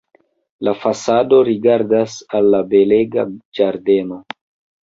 La fasado rigardas al la belega ĝardeno.